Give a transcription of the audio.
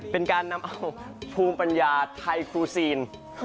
เป็นการนำเอาภูมิปัญญาไทยฟูซีน